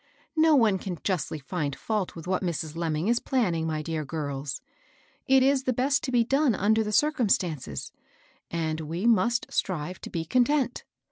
No'one can justly find fault with what Mrs. Lemming is planning, mj dear girls ; it is the best thing to be done under the circumstances, and we must strive to be con tent."